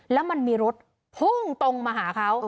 แล้วมันมีรถพุ่งตรงมาหาเขา